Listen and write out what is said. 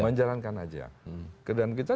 menjalankan aja dan kita